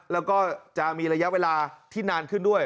แล้วก็จะมีระยะเวลาที่นานขึ้นด้วย